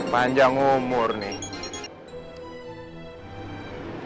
panjang umur nih